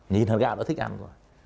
nhìn hạt gạo nó thích ăn rồi